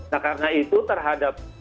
nah karena itu terhadap